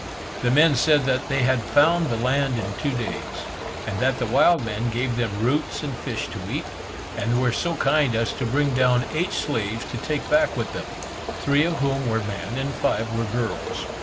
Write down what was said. The men said that they had found the land in two days, and that the wild men gave them roots and fish to eat, and were so kind as to bring down eight slaves to take back with them, three of whom were men and five were girls.